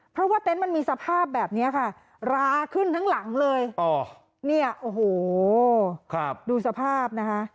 เพราะว่าเต็นต์มันมีสภาพแบบนี้ค่ะราขึ้นทั้งหลังเลยเนี่ยโอ้โหดูสภาพนะคะ